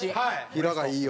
平がいいよ。